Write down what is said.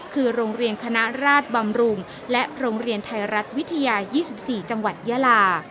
คือโรงเรียนคณะราชบำรุงและโรงเรียนไทยรัฐวิทยา๒๔จังหวัดยาลา